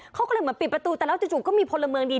เขาก็เลยเหมือนปิดประตูแต่แล้วจู่ก็มีพลเมืองดี